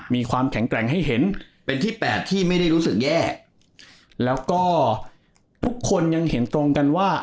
มีความแข็งแกร่งให้เห็นเป็นที่แปดที่ไม่ได้รู้สึกแย่แล้วก็ทุกคนยังเห็นตรงกันว่า